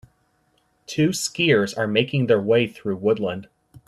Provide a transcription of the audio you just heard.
Two skiers are making their way through woodland.